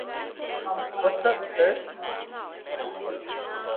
What's up sir?